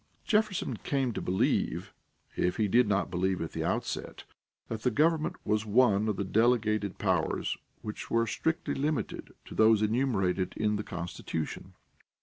Jefferson came to believe, if he did not believe at the outset, that the government was one of delegated powers which were strictly limited to those enumerated in the Constitution.